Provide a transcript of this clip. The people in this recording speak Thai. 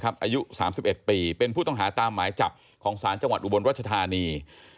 อายุ๓๑ปีเป็นผู้ต้องหาตามหมายจับของศาลจังหวัดอุบลรัชธานี